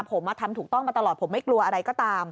ผมทำถูกต้องมาตลอดผมไม่กลัวอะไรก็ตาม